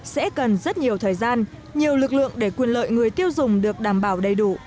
sẽ cần rất nhiều thời gian nhiều lực lượng để quyền lợi người tiêu dùng được đảm bảo đầy đủ